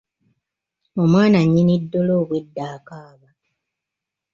Omwana nnyini ddole obwedda akaaba.